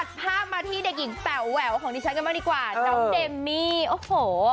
ภาพมาที่เด็กหญิงแป๋วแหววของดิฉันกันบ้างดีกว่าน้องเดมมี่โอ้โห